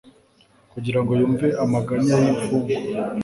kugira ngo yumve amaganya y'imfungwa